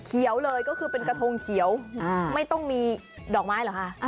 เขียวเลยก็คือเป็นกระทงเขียวไม่ต้องมีดอกไม้เหรอคะ